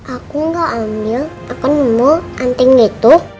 aku gak ambil aku nemu anting itu